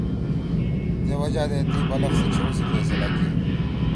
تےوجہ دے تی بلخ سی چھؤ سی فیصلہ کی۔